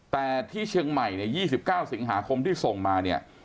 แต่ที่เชียงใหม่๒๙สิงหาคมที่ส่งมา